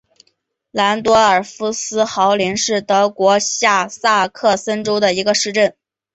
兰多尔夫斯豪森是德国下萨克森州的一个市镇。